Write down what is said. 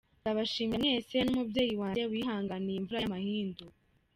Ndabashimira mwese n’umubyeyi wanjye wihanganiye imvura y’amahindu.”